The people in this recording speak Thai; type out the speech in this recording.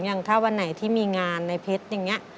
อย่างถ้าวันไหนที่มีงานในเพชรอย่างนี้